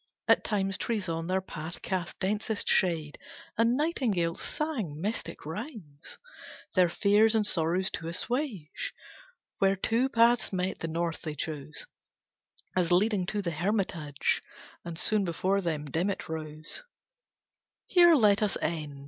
At times Trees on their path cast densest shade, And nightingales sang mystic rhymes Their fears and sorrows to assuage. Where two paths met, the north they chose, As leading to the hermitage, And soon before them, dim it rose. Here let us end.